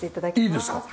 いいですか？